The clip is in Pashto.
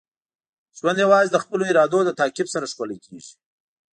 ژوند یوازې د خپلو ارادو د تعقیب سره ښکلی کیږي.